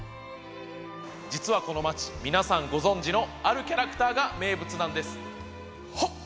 実は、この街、皆さんご存じのあるキャラクターが名物なんです。